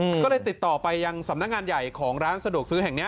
ก็เลยติดต่อไปยังสำนักงานใหญ่ของร้านสะดวกซื้อแห่งเนี้ย